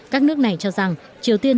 các nước này cho rằng triều tiên